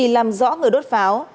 làm rõ người đốt pháo